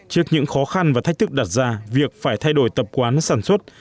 trước những khó khăn và thách thức đặt ra việc phải thay đổi tập quán sản xuất